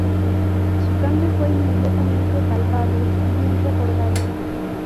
Su cambio fue inmediatamente palpable y bien recordado.